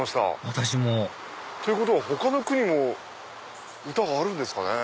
私もっていうことは他の区にも歌があるんですかね。